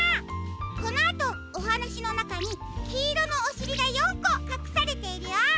このあとおはなしのなかにきいろのおしりが４こかくされているよ。